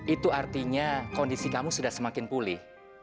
itu artinya kondisi kamu sudah semakin pulih